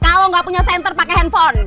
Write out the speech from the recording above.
kalau nggak punya center pakai handphone